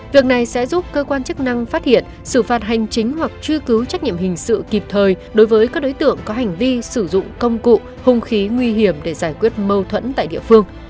việc này sẽ giúp cơ quan chức năng phát hiện xử phạt hành chính hoặc truy cứu trách nhiệm hình sự kịp thời đối với các đối tượng có hành vi sử dụng công cụ hùng khí nguy hiểm để giải quyết mâu thuẫn tại địa phương